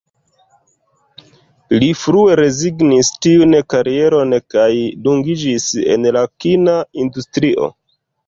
Li frue rezignis tiun karieron, kaj dungiĝis en la kina industrio.